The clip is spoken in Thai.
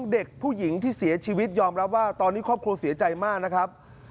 เด็กผู้หญิงที่เสียชีวิตยอมรับว่าตอนนี้ครอบครัวเสียใจมากนะครับ